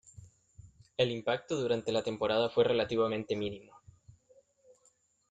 El impacto durante la temporada fue relativamente mínimo.